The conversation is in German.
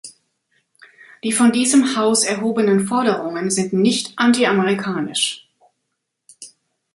Die von diesem Haus erhobenen Forderungen sind nicht antiamerikanisch.